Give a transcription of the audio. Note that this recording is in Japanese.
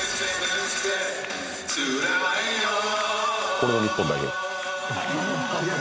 これの日本代表？